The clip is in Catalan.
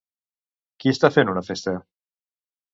Qui està fent una festa?